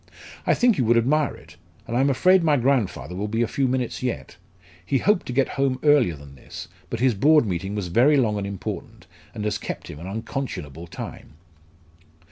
"I think you would admire it, and I am afraid my grandfather will be a few minutes yet. He hoped to get home earlier than this, but his Board meeting was very long and important, and has kept him an unconscionable time."